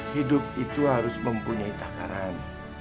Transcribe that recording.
hidup itu harus mempunyai takaran